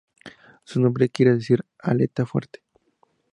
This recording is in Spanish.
Su nombre quiere decir "aleta fuerte".